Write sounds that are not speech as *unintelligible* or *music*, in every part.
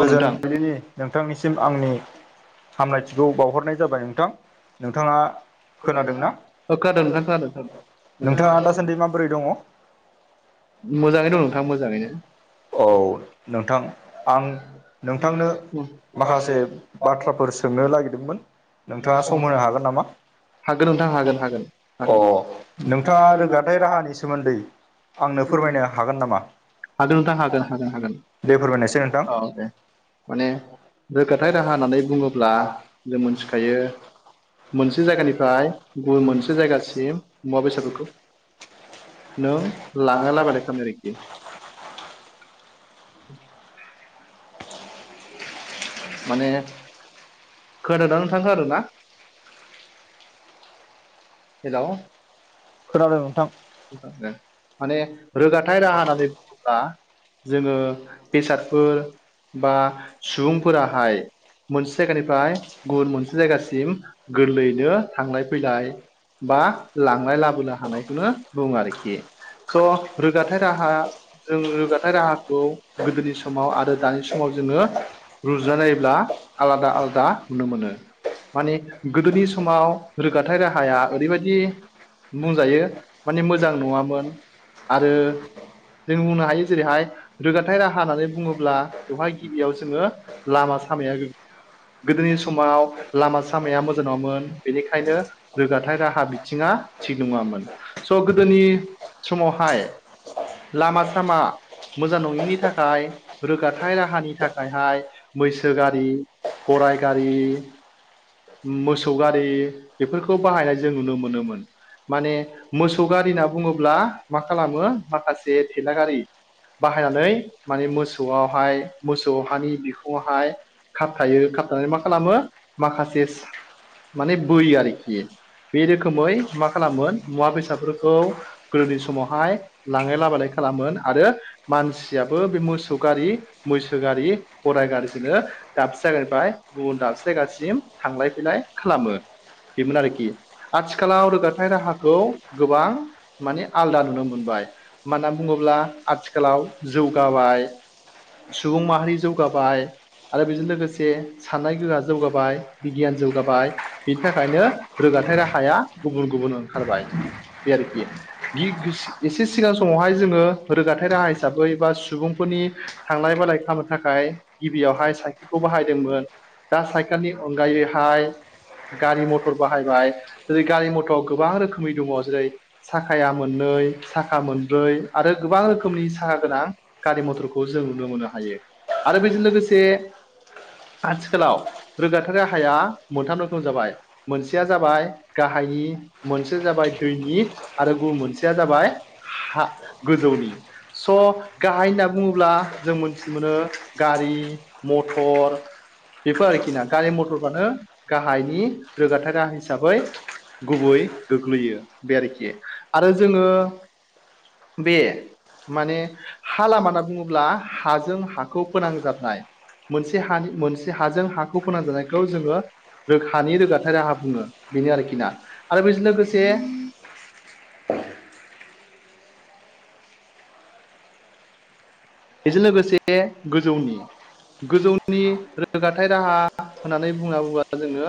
औ नोंथां गोजोन बिलिनि नोंथांनिसिम आंनि हामलायथिखौ बावहरनाय जाबाय नोंथां। नोंथाङा खोनादोंना? ओ खोनादों नोंथां खोनादों नोंथाङा खोनादों दासान्दि मा बोरै दङ? मोजाङै दं नोंथां मोजाङैनो। औ नोंथां आं *unintelligible* नोंथांनो माखासे बाथ्राफोर सोंनो नागिरदोंमोन नोंथाङा सम होनो हागोन नामा? हागोन नोंथां हागोन हागोन अ हागोन नोंथाङा रोगाथाय राहानि सोमोन्दै आंनो फोरमायनो हागोन नामा? हागोन नोंथां दा हागोन हागोन हागोन दे फोरमायनायसै नोंथां औ दे। माने रोगाथाय राहा होननानै बुङोब्ला जों मोनथिखायो। मोनसे जायगानिफ्राय गुबुन मोनसे जायगासिम मुवा बेसादफोरखौ नों लाङाला बलायखानो आरोखि। *inaudible* माने खोनादों ना नोंथां खोनादों ना? हेल' खोनादों नोंथां। माने रोगाथायाइ राहा होननानै बुङोब्ला जोङो बेसादफोर बा सुबुंफोराहाय मोनसे जायगानिफ्राय गुबुन मोनसे जायगासिम गोरलैयैनो थांलाय फैलायट बा लांलनाय लाबोनो हानायखौनो बुङो आरोखि। स' रोगाथायाइ राहा जों रोगथायाइ राहाखौ गोदोनि समाव आरो दानि समाव जोङो रुजानायनायोब्ला आलादा आलादा नुनो मोनो। माने गोदोनि समाव रोगाथाइ राहाया ओरैबायदि बुंजायो माने मोजां नङामोन आरो जों बुंनो हायो जेरैहाय रोगाथायाइ राहा होननानै बुङोब्ला बेवहाय गिबियाव जोङो लामा सामाया गोदोनि समाव लामा सामाया मोजां नङामोन बेनिखायनो रोगाथ थाय राहा बिथिङा थि नङामोन स' गोदोनि समावहाय लामा सामा मोजां नङिनि थाखाय रोगाथायइ राहानि थाखायहाय बैसो गारि गराय गारि मोसौ गारि बेफोरखौ बाहायनाय जों नुनो मोनोमोन। माने मोसौ गारि होनना बुङोब्ला मा खालामो माखासे थेला गारि। बाहायनानै माने मोसौआवहाय मोसौ हानि बिखुावहाय खाबथायो खाबथानानै मा खालामो माखासे माने बै आरोखि। बे रोखोमै मा खालामोन मुवा बेसादफोरखौ गोदोनि समावहाय लाांलाय लाबोलाय खालामोन आरो मानसियाबो बे मोसौ गारि मैसो गारि गराय गारिजोंनो दाबसे जायगानिफ्राय गुबुन दाबसे जायगासिम थांलाय फैलाय खालामो बेमोन आरोखि। आथिखालाव रोगाथाय राहाखौ गोबां माने आलादा नुनो मोनबाय। मानोना बुङोब्ला आथिखालाव जौगाबाय। सुबुं माहारि जौगाबाय। आरो बेजों लोगोसे साननाय गोहोआ जौगाबाय बिगियान जौगाबाय। बिनि थाखायनो रोगाथाइ राहाया गुबुन गुबुन ओंखारबाय बे आरोखि। दिख एसे सिगां समावहाय जोङो रोगाथायाइ राहा हिसाबै बा सुबुंफोरनि थांलाय बालाय खालामनो थाखाय गिबियावहाय साइकेलखौ बाहायदोंमोन। दा साइकेलनि अनगायैहाय गारि मथर बाहायबाय। जेरै गारि मथरआव गोबां रोखोमनि दङ जेरै साखाया मोननै साखा मोनब्रै आरो गोबां रोखोमनि साखा गोनां गारि मथरखौ जों नुनो मोननो हायो आरो बेजों लोगोसे आथिखालाव रोगाथार राहाया मोनथाम रोखोम जाबाय मोनसेया जाबाय गाहायनि मोनसेया जाबाय दैनि आरो गुबुन मोनसेया जाबाय हा गोजौनि स' गाहाय होनना बुङोब्ला जों मोनथिनो मोनो। गारि मथर बेफोर आरोखि ना गारि मथरफ्रानो गाहायनि रोगाथाय गाहाा हिसाबै गुबै गोग्लैयो बे आरोखि आरो जोंङो बे माने हा लामा होनना बुङोब्ला हाजों हाखौ फोनांजाबनाय मोनसे हानि मोनस से हाजों हाखौ फोनान जानायखौ जोङो हानि रोगाथाय राहा बुङो बेनो आरोखि ना। आरो बेजों लोगोसे बेजों लोगोसे गोजौनि गोजौनि रोगाथाय राहा होननानै बुंना बुंयोब्ला जोङो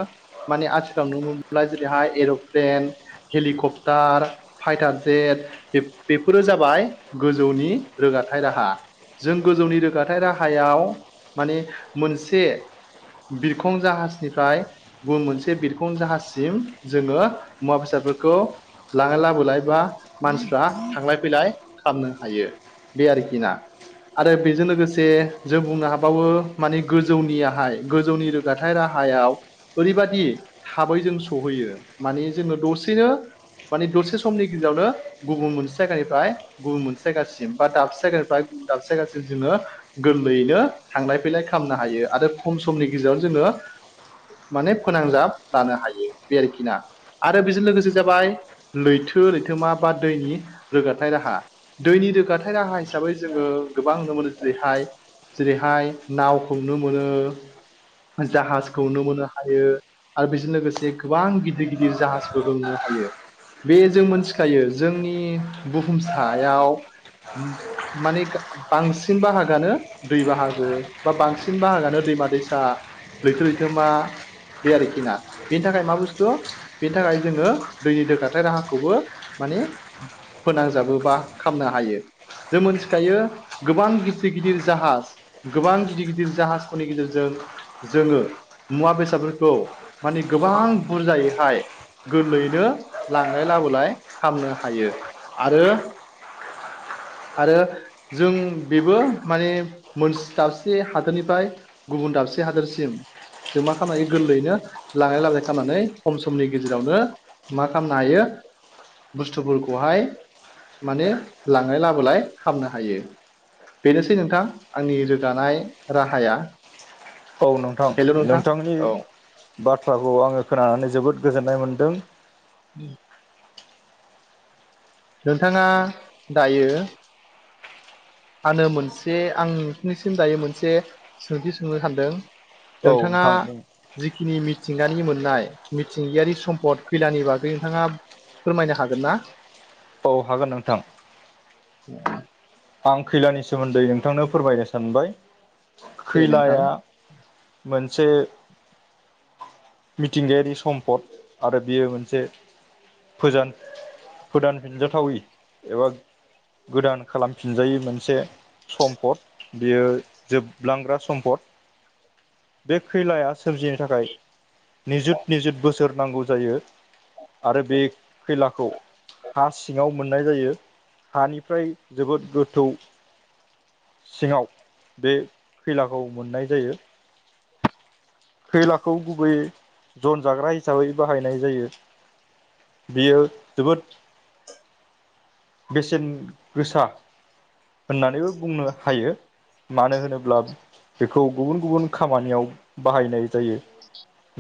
माने आथिखालाव नुनो मोनाय जेरैहाय एर'प्लेन हेलिकप्टार फाइटार जेट बेफोरो जाबाय गोजौनि रोगाथाय राहा। जों गोजौनि रोगाथाय राहायाव माने मोनसे बिरखं जाहाजनिफ्राय गुबुन मोनसे बिरखं जाहाजसिम जोङो मुवा बेसादफोरखौ लांलाय लाबोलाय बा मानसिफ्रा थांलाय फैलाय खालामनो हायो बे आरोखि ना। आरो बेजों लोगोसे जों बुंनो हाबावो माने गोजौनि आहाय गोजौनि रोगाथाइ राहायाव ओरैबादि थाबै जों सहैयो माने जोङो दसेनो माने दसे समनि गेजेरावनो गुबुन मोनसे जायगानिफ्राय गुबुन मोनसे जायगासिम बा दाबसे जायगानिफ्राय गुबुन दाबसे जायगासिम जोङो गोरलैयैनो थांलाय फैलाय खालामनो हायो आरो खम समनि गेजेराव जोङो माने फोनांजाब लानो हायो बे आरोखिना। आरो बेजों लोगोसे जाबाय लैथो लैथोमा बा दैनि रोगाथाइ राहा दैनि रोगाथाय राहा हिसाबै जोङो गोबां नुनो मोनो जेरैहाय जेरैहाय नावखौ नुनो मोनो जाहाजखौ नुनो मोननो हायो आरो बेजों लोगोसे गोबां गिदिर गिदिर जाहाजबो नुनो हायो। बे जों मोनथिखायो जोंनि बुहुम सायाव मानि गा बांसिन बाहागोआनो दै बाहागो बा बांसिन बाहागानो दैमा दैसा लैथो लैथोमा बे आरोखि ना बेनि थाखाय मा बुस्थु बेनि थाखाय जोंङो दैनि दोखाथाय राहाखौबो माने फोनांजाबोबा खामनो हायो जों मोनथिखायो गोबां गिदिर गिदिर जाहाज गोबां गिदिर गिदिर जाहाजफोरनि गेजेरजों जोंङो मुवा बेसादफोरखौ माने गोबां बुरजायैहाय गोरलैयैनो लांलाय लाबोलाय खालामनो हायो आरो आरो जों बेबो माने मोनसे दाबसे हादोरनिफ्राय गुबुन दाबसे हादोरसिम जों मा खालामनो गोरलैयैनो लांलाय लाबलाय खालामनानै खम समनि गेजेरावनो मा खालामनो हायो बुस्थुफोरखौहाय माने लांलाय लाबोलाय खामनो हायो। बेनोसै नोंथां आंनि रोगानाय राहाया। औ नोंथां हेल' नोंथां नोंथांनि औ बाथ्राखौ आंङो खोनानानै जोबोद गोजोननाय मोनदों। नोंथांङा दायो आनो मोनसे आं नोंनिसिम दायो मोनसे सोंथि सोंनो सानदों औ नोंथांङा नोंथां बुं। जिखिनि मिथिंगानि मोननाय मिथिंगायारि सम्पद खैलानि बागै नोंथाङा फोरमायनो हागोन ना औ हागोन नोंथां। आं खैलानि सोमोन्दै नोंथांनो फोरमायनो सानबाय दे नोंथां खैलाया मोनसे मिथिंगायारि सम्पद आरो बियो मोनसे फोजान फोदानफिनजाथावि एबा गोदान खालाम फिनजायै मोनसे सम्पद बेयो जोबलांग्रा सम्पद बे खैलाया सोरजिनो थाखाय निजुत निजुत बोसोर नांगौ जायो। आरो बे खैलाखौ हा सिङाव मोननाय जायो हानिफ्राय जोबोद गोथौ सिंङाव बे खैलाखौ मोननाय जायो। खैलाखौ गुबै जन जाग्रा हिसाबै बाहायनाय जायो। बियो जोबोद बेसेन गोसा होननानैबो बुंनो हायो। मानो होनोब्ला बेखौ गुबुन गुबुन खामानियाव बाहायनाय जायो।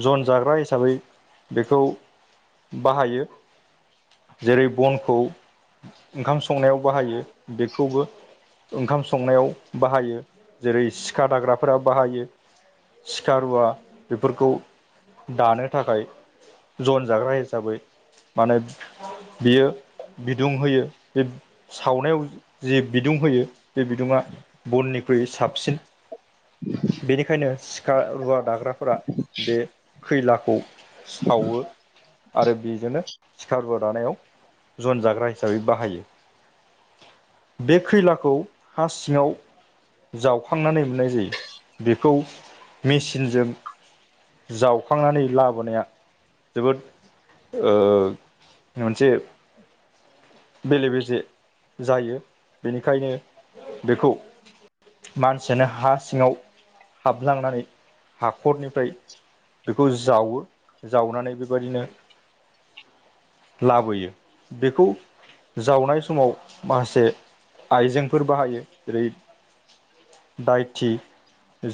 जन जाग्रा हिसाबै बेखौ बाहायो जेरै बनखौ ओंखाम संनायाव बाहायो बेखौबो ओंखाम संनायाव बाहायो जेरै सिखा दाग्राफोरा बाहायो सिखा रुवा बेफोरखौ दानो थाखाय जन जाग्रा हिसाबै मानो बियो दुंहोयो बे सावनायाव जे बिदुं होयो बे बिदुंङा बननिख्रुइ साबसिन बेनिखायनो सिखा रुवा दाग्राफोरा बे खैलाखौ सावो आरो बेजोंनो सिखा रुवा दानायाव जन जाग्रा हिसाबै बाहायो बे खैलाखौ हा सिङाव जावखांनानै मोननाय जायो बेखौ मेचिनजों जावखांनानै लाबोनाया जोबोद ओ मोनसे बेले बेजे जायो बेनिखायनो बेखौ मानसियानो हा सिङाव हाबलांनानै हाखरनिफ्राय बेखौ जावो जावनानै बेबायदिनो लाबोयो बेखौ जावनाय समाव माखासे आइजेंफोर बाहायो जेरै दायथि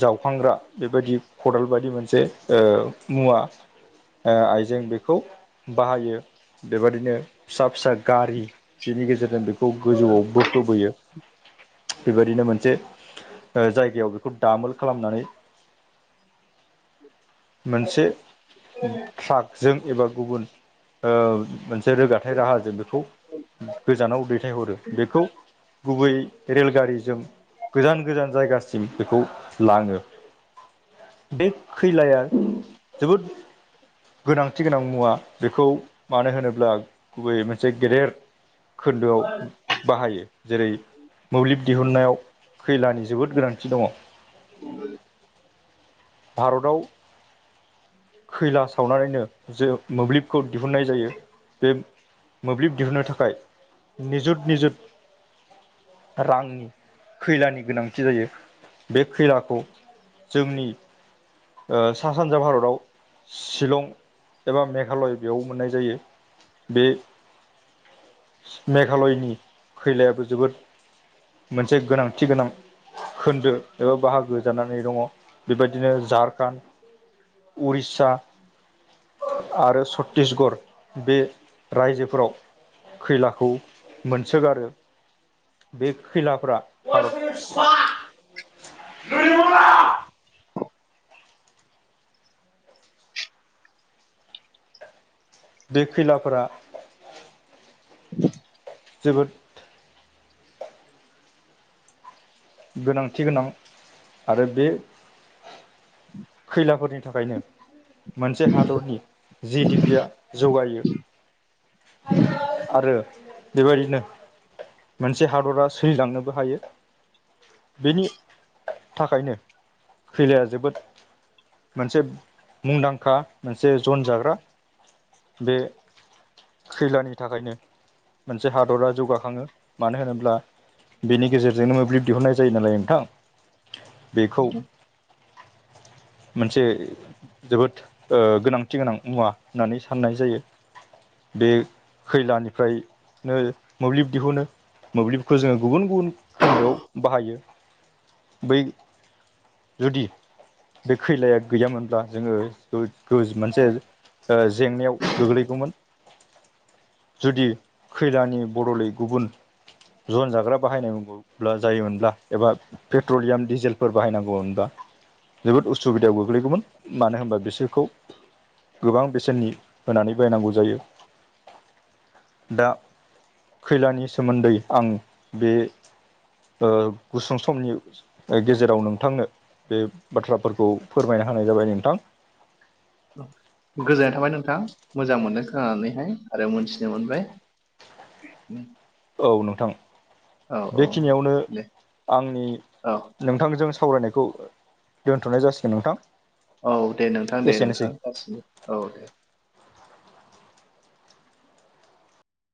जावखांग्रा बेबायदि खदाल बादि मोनसे ओ मुवा ओ आइजें बेखौ बाहायो बेबादिनो फिसा फिसा गारि बिनि गेजेरजों बेखौ गोजौआव बोखोबोयो बेबायदिनो मोनसे ओ जाय गायाव बेखौ दामोल खालामनानै मोनसे ट्राकजों एबा गुबुन ओ मोनसे रोगा नाय राहाजों बेखौ गोजानाव दैथायहरो बेखौ गुबै रेलगारिजों गोजान गोजान जायगासिम बेखौ लाङो। बे खैलाया जोबोद गोनांथि गोनां मुवा बेखौ मानो होनोब्ला गुबै मोनसे गेदेर खोन्दोआव बाहायो जेरै मोब्लिब दिहुननायाव खैलानि जोबोद गोनांथि दङ भारताव खैला सावनानैनो जे मोब्लिबखौ दिहुनन्नाय जायो। बे मोब्लिब दिहुनन्नो थाखाय निजुत निजुत रांनि खैलानि गोनांथि जायो बे खैलाखौ जोंनि ओ सा सानजा भारताव शिलं एबा मेघालय बेयाव मोननाय जायो। बे मेघालयनि खैलायाबो जोबोद मोनसे गोनांथि गोनां खोन्दो एबा बाहागो जानानै दङ बेबायदिनो जार खान उरिष्षा आरो छत्तिसगर बे रायजोफोराव खैलाखौ मोनसोगारो। *unintelligible* *unintelligible* बे खैलाफोरा जोबोद गोनांथि गोनां आरो बे खैलाफोरनि थाखायनो मोनसे हादरनि जि डि पि आ जौगायो। आरो बेबायदिनो मोनसे हादरा सोलिलांनोबो हायो। बेनि थाखायनो खैलाया जोबोद मोनसे मुंदांखा मोनसे जन जाग्रा बे खैलानि थाखायनो मोनसे हादरा जौगाखाङो मानो होनोब्ला बेनि गेजेरजोंनो मोब्लिब दिहुननाय जायो नालाय नोंथां बेखौ मोनसे जोबोद ओ गोनांथि गोनां मुवा होननानै साननाय जायो। बे खैलानिफ्रायनो मोब्लिब दिहुनो। मोब्लिबफोरखौ जोङो गुबुन गुबुन खोन्दोआव बाहायो बै जुदि बे खैलाया गैयामोनब्ला जोङो गोज गोज मोनसे ओ जेंनायाव गोग्लैगौमोन। जुदि खैलानि बद'लै गुबुन जन जाग्रा बाहायनायमोनब्ला जायोमोनब्ला एबा पेट्रलियाम डिजेलफोर बाहायनांगौमोनब्ला जोबोद उसुबिदायाव गोग्लैगौमोन मानो होनबा बिसोरखौ गोबां बेसेननि होनानै बायनांगौ जायो। दा खैलानि सोमोन्दै आं बे ओ गुसुं समनि गेजेराव नोंथांनो बे बाथ्राफोरखौ फोरमायना होनाय जाबाय नोंथां। गोजोननाय थाबाय नोंथां मोजां मोनदों खोनानानैहाय आरो मोनथिनो मोनबाय। उम औ नोंथां औ बेखिनियावनो दे आंनि औ नोंथांजों सावरायनायखौ दोनथ'नाय जासिगोन नोंथां। औ दे नोंथां दे एसेनोसै। नोंथां जासिगोन औ दे।